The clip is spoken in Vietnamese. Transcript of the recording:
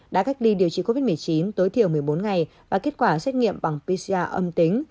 đã cách ly điều trị covid một mươi chín tối thiểu một mươi bốn ngày và kết quả xét nghiệm bằng pcr âm tính